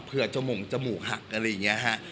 จมูกจมูกหักอะไรอย่างนี้ฮะ